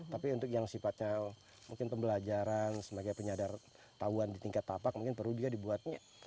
tapi untuk yang sifatnya mungkin pembelajaran sebagai penyadar tahuan di tingkat tapak mungkin perlu juga dibuat